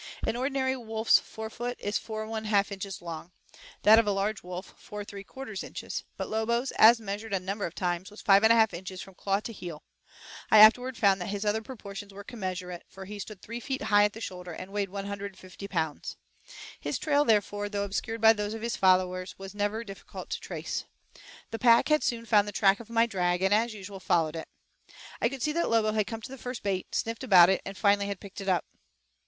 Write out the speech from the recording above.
An ordinary wolf's forefoot is 4 1/2 inches long, that of a large wolf 4 3/4 inches, but Lobo's, as measured a number of times, was 5 1/2 inches from claw to heel; I afterward found that his other proportions were commensurate, for he stood three feet high at the shoulder, and weighed 150 pounds. His trail, therefore, though obscured by those of his followers, was never difficult to trace. The pack had soon found the track of my drag, and as usual followed it. I could see that Lobo had come to the first bait, sniffed about it, and finally had picked it up.